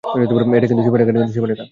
এটা কিন্তু সীমারেখা!